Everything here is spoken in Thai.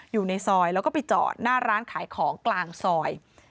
อยู่ในซอยแล้วก็ไปจอดหน้าร้านขายของกลางซอย